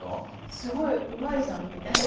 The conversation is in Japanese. すごいうまいじゃんみたいな。